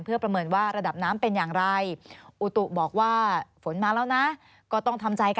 เพื่อประเมินว่าระดับน้ำเป็นอย่างไรอุตุบอกว่าฝนมาแล้วนะก็ต้องทำใจกัน